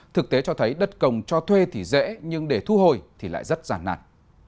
thực tế cho thấy đất công cho thuê thì dễ nhưng để thu hồi thì lại rất giàn nạn